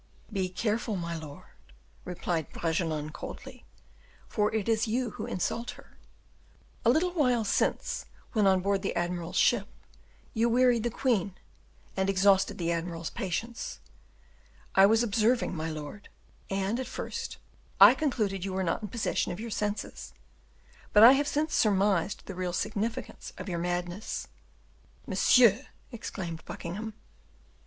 "Be careful, my lord," replied Bragelonne, coldly, "for it is you who insult her. A little while since, when on board the admiral's ship, you wearied the queen, and exhausted the admiral's patience. I was observing, my lord; and, at first, I concluded you were not in possession of your senses, but I have since surmised the real significance of your madness." "Monsieur!" exclaimed Buckingham.